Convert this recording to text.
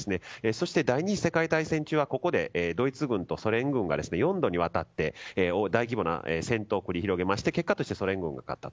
そして、第２次世界大戦中はここでドイツ軍とソ連軍が４度にわたって大規模な戦闘を繰り広げまして結果として、ソ連軍が勝った。